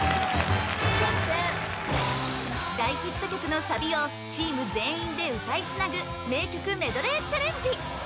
大ヒット曲のサビをチーム全員で歌いつなぐ名曲メドレーチャレンジ